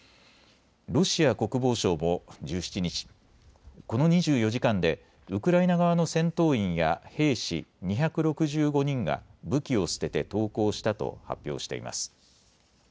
ロシア国防省も１７日、この２４時間でウクライナ側の戦闘員や兵士２６５人が武器を捨てて投降したと発表しています。